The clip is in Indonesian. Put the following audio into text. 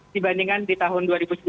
dibandingkan di tahun dua ribu sembilan belas